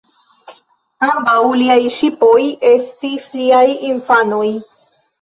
Ambaŭ liaj ŝipoj estis liaj infanoj.